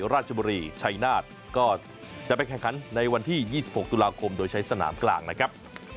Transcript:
ราชบุรีชัยนาฏก็จะไปแข่งขันในวันที่๒๖ตุลาคมโดยใช้สนามกลางนะครับ